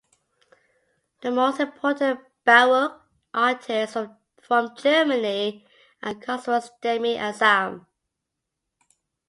The most important Baroque artists from Germany are Cosmas Damian Asam.